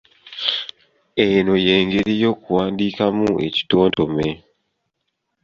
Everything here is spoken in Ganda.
Eno y'engeri y’okuwandiikamu ekitontome